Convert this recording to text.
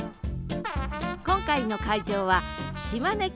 今回の会場は島根県立美術館。